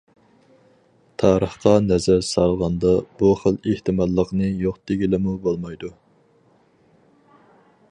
تارىخقا نەزەر سالغاندا، بۇ خىل ئېھتىماللىقنى يوق دېگىلىمۇ بولمايدۇ.